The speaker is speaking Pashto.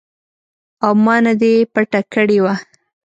او ما نه دې پټه کړې وه.